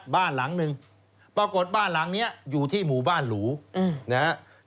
บ้านหลังหนึ่งปรากฏบ้านหลังนี้อยู่ที่หมู่บ้านหรูนะครับ